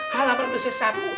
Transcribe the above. halaman udah saya sapu